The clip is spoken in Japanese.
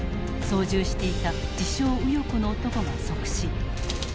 操縦していた自称右翼の男が即死。